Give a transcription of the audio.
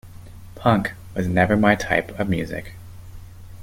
Punk was never my type of music.